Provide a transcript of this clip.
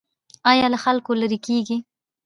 ایا له خلکو لرې کیږئ؟